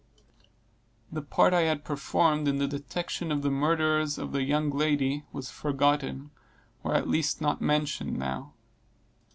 The part I had performed in the detection of the murderers of the young lady was forgotten, or at least not mentioned now.